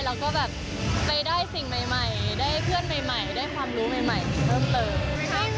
แล้วก็แบบไปได้สิ่งใหม่ได้เพื่อนใหม่ได้ความรู้ใหม่เพิ่มเติม